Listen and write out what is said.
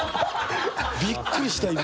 びっくりした今。